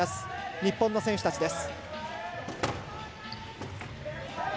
日本の選手たちです。